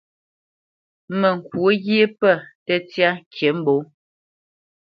Mə kwǒ ghye pə̂ tə́tyá ŋkǐmbǒ.